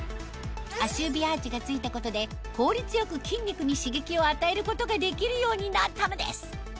足指アーチが付いたことで効率よく筋肉に刺激を与えることができるようになったのです